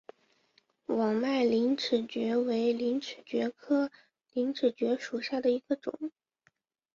网脉陵齿蕨为陵齿蕨科陵齿蕨属下的一个种。